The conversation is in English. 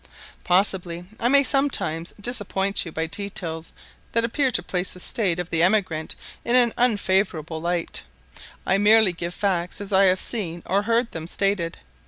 Possibly I may sometimes disappoint you by details that appear to place the state of the emigrant in an unfavourable light; I merely give facts as I have seen, or heard them stated.